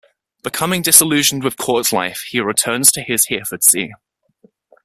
Becoming disillusioned with court life he returned to his Hereford see.